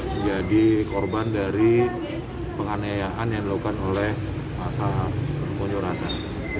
menjadi korban dari penganiayaan yang dilakukan oleh pasal penyelenggaraan